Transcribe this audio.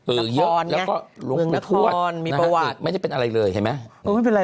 ละครแล้วก็รุงปู่ทวชมีประวาสไม่ได้เป็นอะไรเลยใช่ไหม